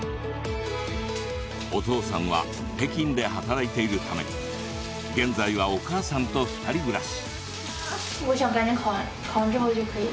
お父さんは北京で働いているため現在はお母さんと２人暮らし。